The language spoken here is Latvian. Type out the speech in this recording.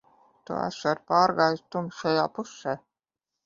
Tu esot pārgājis tumšajā pusē.